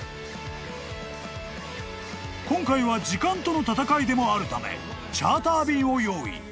［今回は時間との闘いでもあるためチャーター便を用意］